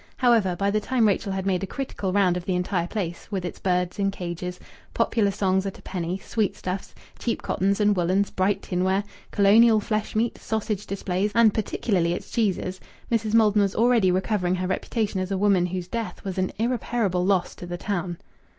However, by the time Rachel had made a critical round of the entire place, with its birds in cages, popular songs at a penny, sweetstuffs, cheap cottons and woollens, bright tinware, colonial fleshmeat, sausage displays, and particularly its cheeses, Mrs. Maldon was already recovering her reputation as a woman whose death was an irreparable loss to the town.